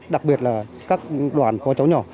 đặc biệt là các đoàn có cháu nhỏ